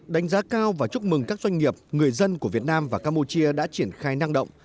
đánh giá cao và chúc mừng các doanh nghiệp người dân của việt nam và campuchia đã triển khai năng động